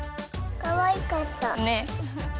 かわいかった。